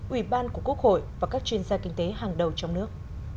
ủy ban của quốc hội và các chuyên gia kinh tế hàng đầu trong nước